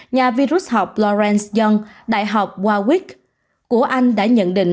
nhà virus học lawrence young đại học warwick của anh đã nhận định